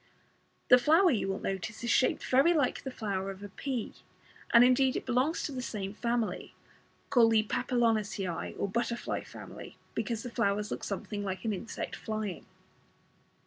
The flower, you will notice, is shaped very like the flower of a pea, and indeed it belongs to the same family, called the Papilionaceae or butterfly family, because the flowers look something like an insect flying.